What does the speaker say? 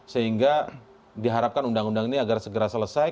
sehingga diharapkan undang undang ini agar segera selesai